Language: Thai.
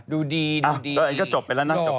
ดูดีดูดี